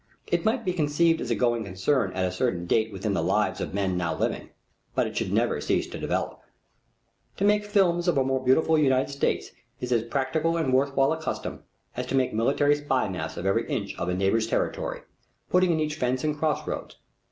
It might be conceived as a going concern at a certain date within the lives of men now living, but it should never cease to develop. To make films of a more beautiful United States is as practical and worth while a custom as to make military spy maps of every inch of a neighbor's territory, putting in each fence and cross roads.